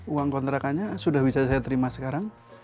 uang kontrakannya sudah bisa saya terima sekarang